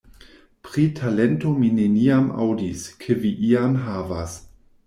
Pri talento mi neniam aŭdis, ke vi ian havas...